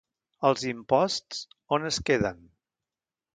Els imposts, on es queden?